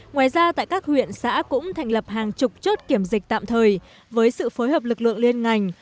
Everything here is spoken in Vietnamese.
ngoài ra tại các huyện xã cũng thành lập hàng chục chốt kiểm dịch tạm thời với sự phối hợp lực lượng liên ngành